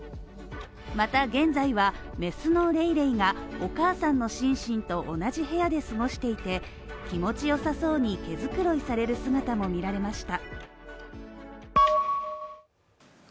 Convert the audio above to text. また現在は雌のレイレイがお母さんのシンシンと同じ部屋で過ごしていて、気持ちよさそうに毛づくろいされる姿も見られました。